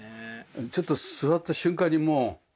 ちょっと座った瞬間にもう。